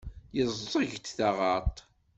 Yeẓẓeg-d taɣaḍt.